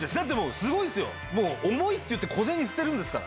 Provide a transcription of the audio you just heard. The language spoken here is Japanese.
すごいですよ、重いって言って小銭捨てるんですから。